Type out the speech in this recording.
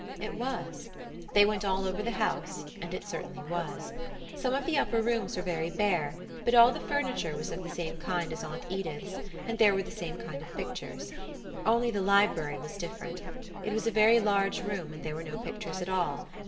It was. They went all over the house, and it certainly was. Some of the upper rooms were very bare, but all the furniture was of the same kind as Aunt Edith's, and there were the same kind of pictures. Only the library was different. It was a very large room, and there were no pictures at all.